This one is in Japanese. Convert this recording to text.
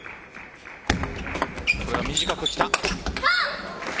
これは短くきた。